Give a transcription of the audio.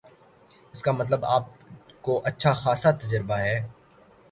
اس کا مطلب آپ کو اچھا خاصا تجربہ ہے